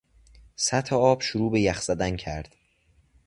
سطح آب شروع به یخ زدن کرد.